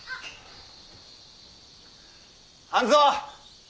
半蔵！